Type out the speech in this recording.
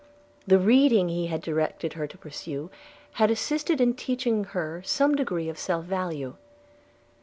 The reading he had directed her to pursue, had assisted in teaching her some degree of self value.